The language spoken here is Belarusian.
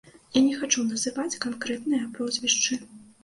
Я не хачу называць канкрэтныя прозвішчы.